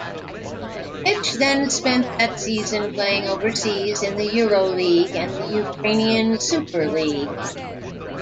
Fitch then spent that season playing overseas in the Euroleague and the Ukrainian SuperLeague.